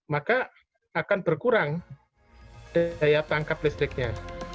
maka akan berkurang daya tangkap listriknya